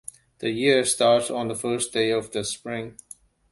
The year starts on the first day of spring.